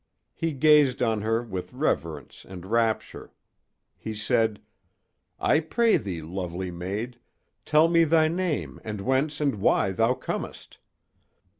He gazed on her with reverence and rapture. He said: "I pray thee, lovely maid, tell me thy name and whence and why thou comest."